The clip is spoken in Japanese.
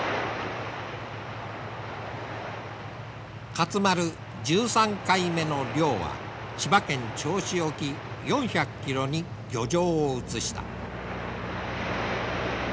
勝丸１３回目の漁は千葉県銚子沖４００キロに漁場を移した。